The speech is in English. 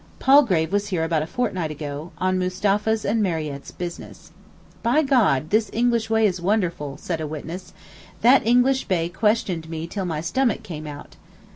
Palgrave was here about a fortnight ago, on Mustapha's and Mariette's business. 'By God! this English way is wonderful,' said a witness, 'that English Bey questioned me till my stomach came out.